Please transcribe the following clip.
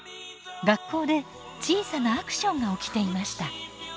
学校で小さなアクションが起きていました。